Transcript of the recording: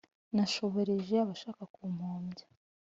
Nashobereje abashaka kumpombya !